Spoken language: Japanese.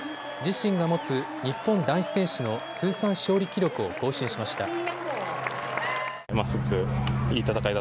自身が持つ日本男子選手の通算勝利記録を更新しました。